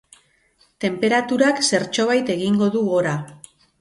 Tenperaturak zertxobait egingo du gora.